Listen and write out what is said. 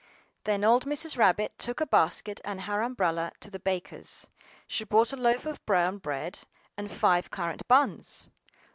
THEN old Mrs. Rabbit took a basket and her umbrella, to the baker's. She bought a loaf of brown bread and five currant buns.